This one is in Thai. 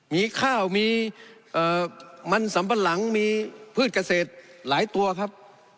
มีข้าวมีมันสัมปะหลังมีพืชเกษตรหลายตัวครับ